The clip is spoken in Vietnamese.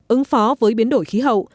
ứng phó với biến đổi khí hậu